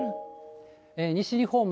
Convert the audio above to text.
西日本も。